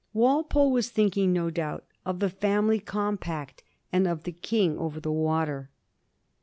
Walpole was thinking, no doubt, of the Family Compact, and of " the King over the Water."